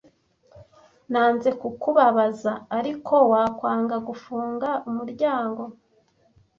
Nanze kukubabaza, ariko wakwanga gufunga umuryango?